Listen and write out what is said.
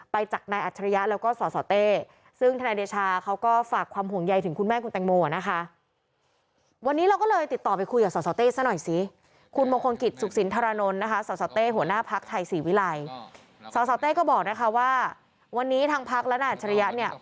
สาวแต้ก็บอกว่าวันนี้ทางพักษณ์และนัดชริยะ